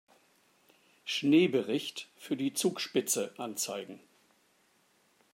Schneebericht für die Zugspitze anzeigen.